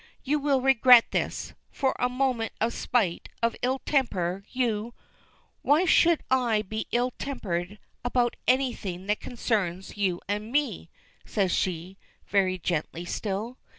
"You will regret this. For a moment of spite, of ill temper, you " "Why should I be ill tempered about anything that concerns you and me?" says she, very gently still.